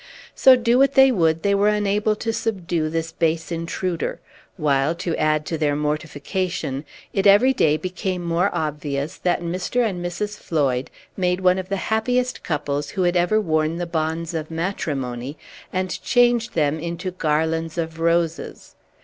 So, do what they would, they were unable to subdue this base intruder; while, to add to their mortification, it every day became more obvious that Mr. and Mrs. Floyd made one of the happiest couples who had ever worn the bonds of matrimony, and changed them into garlands of roses.